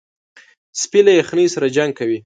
سپي له یخنۍ سره جنګ کوي.